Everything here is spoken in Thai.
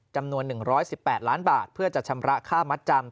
จำนวน๑๑๘ล้านบาทเพื่อจะชำระค่ามัดจำ